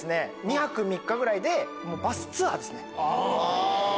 ２泊３日ぐらいでバスツアーですね。